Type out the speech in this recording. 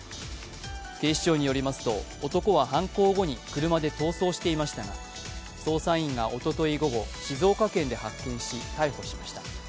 警視庁によりますと男は犯行後に車で逃走していましたが捜査員がおととい午後、静岡県で発見し逮捕しました。